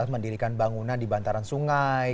mendirikan bangunan di bantaran sungai